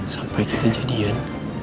sampai kita jadian